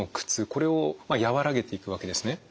これを和らげていくわけですね。